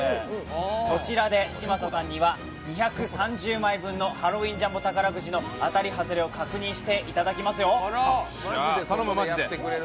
こちらで嶋佐さんには２３０枚分のハロウィンジャンボ宝くじの当たり外れを確認していただきますよ。